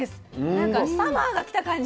なんかサマーが来た感じ。